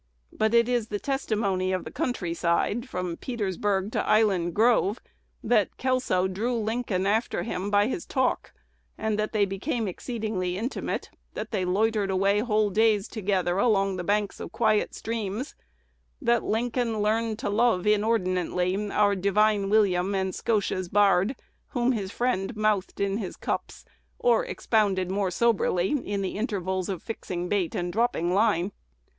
But it is the testimony of the country side, from Petersburg to Island Grove, that Kelso "drew Lincoln after him by his talk;" that they became exceedingly intimate; that they loitered away whole days together, along the banks of the quiet streams; that Lincoln learned to love inordinately our "divine William" and "Scotia's Bard," whom his friend mouthed in his cups, or expounded more soberly in the intervals of fixing bait and dropping line.